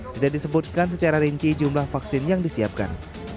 tidak disebutkan secara rinci jumlah vaksin yang disiapkan